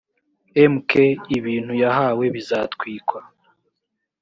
mk ibintu yahawe bizatwikwa